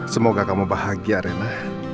semoga kamu bahagia rena